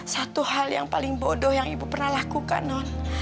satu hal yang paling bodoh yang ibu pernah lakukan non